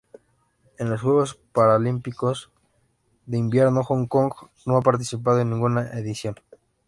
En los Juegos Paralímpicos de Invierno Hong Kong no ha participado en ninguna edición.